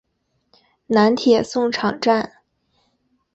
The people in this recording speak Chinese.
南铁送场站。